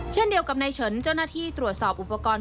เช่นเดียวกับนายเฉินเจ้าหน้าที่ตรวจสอบอุปกรณ์